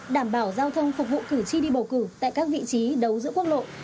đảm bảo giao thông phục vụ cử tri đi bầu cử tại các vị trí đấu giữa quốc lộ